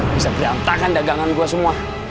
bisa berantakan dagangan gua semua